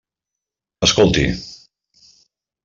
Escolti.